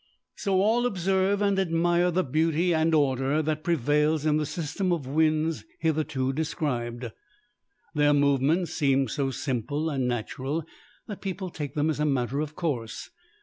So all observe and admire the beauty and order that prevails in the system of winds hitherto described. Their movements seem so simple and natural, that people take them as a matter of course.